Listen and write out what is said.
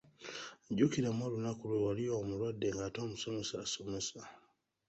Jjukiramu olunaku lwe wali omulwadde ng'ate omusomesa asomesa!